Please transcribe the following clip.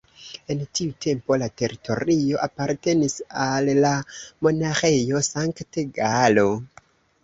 En tiu tempo la teritorio apartenis al la Monaĥejo Sankt-Galo.